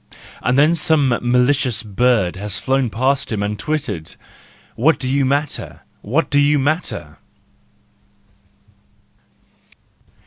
—And then some malicious bird has flown past him and twittered :" What do you matter ? What do you matter